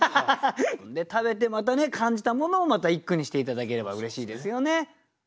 食べてまたね感じたものをまた一句にして頂ければうれしいですよね。